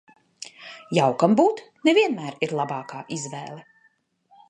Jaukam būt, ne vienmēr ir labākā izvēle.